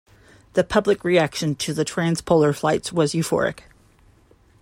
The public reaction to the transpolar flights was euphoric.